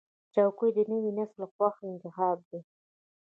چوکۍ د نوي نسل خوښ انتخاب دی.